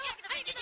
ayo kita belanja